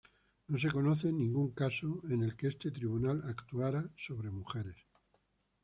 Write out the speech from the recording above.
No se conoce ningún caso en el que este tribunal actuara sobre mujeres.